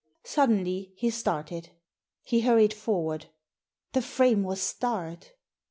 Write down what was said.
Suddenly he started. He hurried forward. The frame was starred!